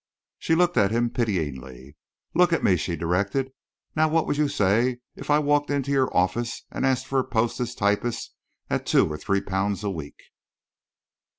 She looked at him pityingly. "Look at me," she directed. "Now what would you say if I walked into your office and asked for a post as typist at two or three pounds a week?"